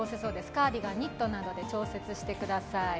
カーディガン、ニットなどで調節してください。